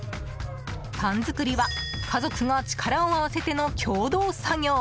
パン作りは家族が力を合わせての共同作業。